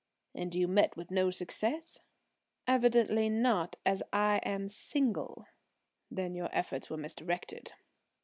"And you met with no success?" "Evidently not, as I am single." "Then your efforts were misdirected."